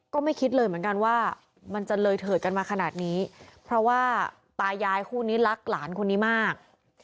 ก็ไม่คิดเลยเหมือนกันว่ามันจะเลยเถิดกันมาขนาดนี้เพราะว่าตายายคู่นี้รักหลานคนนี้มาก